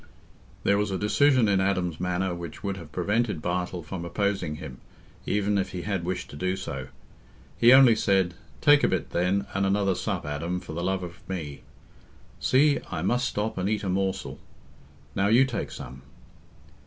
There was a decision in Adam's manner which would have prevented Bartle from opposing him, even if he had wished to do so. He only said, "Take a bit, then, and another sup, Adam, for the love of me. See, I must stop and eat a morsel. Now, you take some."